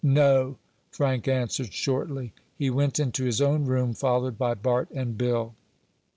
"No!" Frank answered shortly. He went into his own room, followed by Bart and Bill.